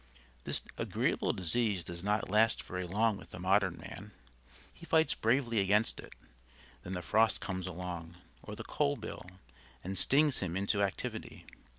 This agreeable disease does not last very long with the modern man. He fights bravely against it; then the frost comes along, or the coal bill, and stings him into activity.